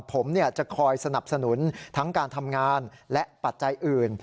ผมจะคอยสนับสนุนทั้งการทำงานและปัจจัยอื่น